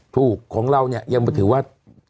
ถูกของเราเนี่ยยังถือว่า